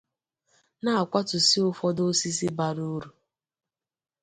na-akwatùsi ụfọdụ osisi bara urù